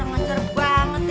maksudnya emaknya udah berangkat